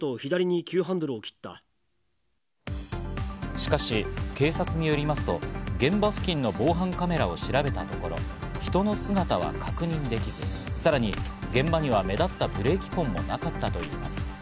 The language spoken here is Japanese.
しかし警察によりますと、現場付近の防犯カメラを調べたところ、人の姿は確認できず、さらに現場には目立ったブレーキ痕もなかったといいます。